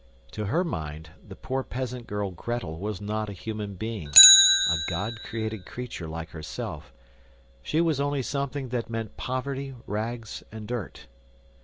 To her mind, the poor peasant girl Gretel was not a human being, a God created creature like herself she was only something that meant poverty, rags, and dirt.